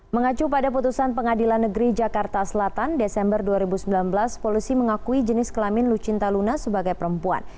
mengacu pada putusan pengadilan negeri jakarta selatan desember dua ribu sembilan belas polisi mengakui jenis kelamin lucinta luna sebagai perempuan